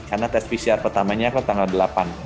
karena tes pcr pertamanya ke tanggal delapan